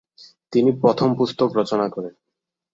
তিনি প্রথম পুস্তক রচনা করেন।